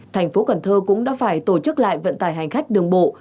thành phố cần thơ cũng đã phải tổ chức lại vận tải hành khách đường bộ